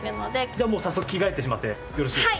じゃあもう早速着替えてしまってよろしいですか？